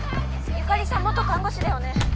由香里さん元看護師だよね。